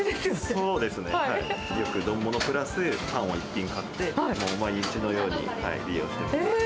そうですね、よく丼ものプラスパンを一品買って、もう毎日のように利用してます。